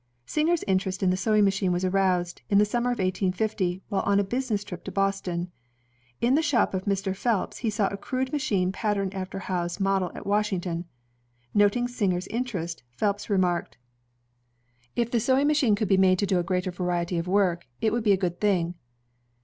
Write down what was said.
Singer's interest in the sewing machine was aroused in the summer of 1850, while on a business trip to Boston. In the shop of a Mr. Phelps he saw a crude machine patterned after Howe's model at Washington. Noting Singer's interest, Phelps remarked: "If the sewing machine ELIAS HOWE 137 could be made to do a greater variety of work, it would be a good thing."